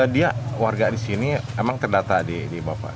dia warga disini emang terdata di bapak